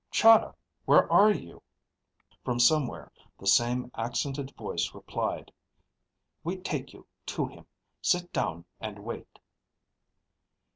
"Chahda? Where are you?" From somewhere the same accented voice replied, "We take you to him. Sit down and wait."